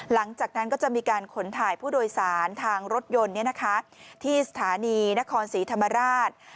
หลังจากนั้นก็จะมีการขนถ่ายผู้โดยสารทางรถยนต์ที่สถานีนครศรีธรรมราช